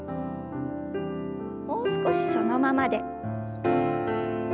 もう少しそのままで。